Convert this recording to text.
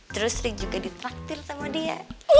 terus ri juga ditraktir sama dia